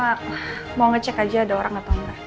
enggak saya cuma mau ngecek aja ada orang atau enggak